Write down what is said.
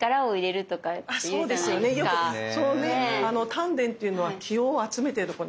丹田っていうのは気を集めてるところ。